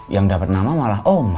yang dapat nama malah oma